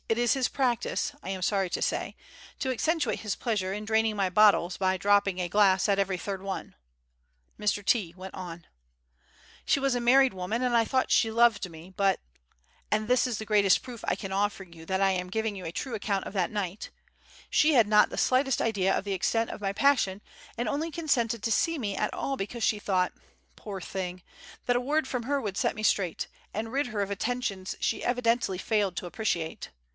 It is his practice, I am sorry to say, to accentuate his pleasure in draining my bottles by dropping a glass at every third one." Mr. T went on. "She was a married woman and I thought she loved me; but and this is the greatest proof I can offer you that I am giving you a true account of that night she had not the slightest idea of the extent of my passion, and only consented to see me at all because she thought, poor thing, that a word from her would set me straight, and rid her of attentions she evidently failed to appreciate.